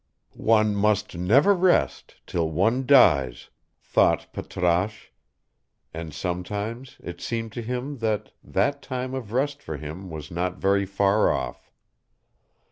"One must never rest till one dies," thought Patrasche; and sometimes it seemed to him that that time of rest for him was not very far off.